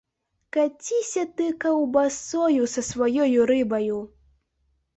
Каціся ты каўбасою са сваёю рыбаю!